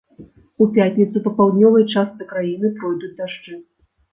У пятніцу па паўднёвай частцы краіны пройдуць дажджы.